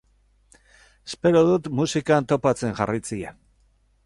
Espero dut musikan topatzen jarraitzea.